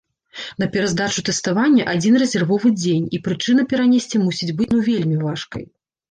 На пераздачу тэставання адзін рэзервовы дзень, і прычына перанесці мусіць быць ну вельмі важкай.